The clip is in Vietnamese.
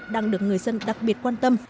đang được người dân đặc biệt quan tâm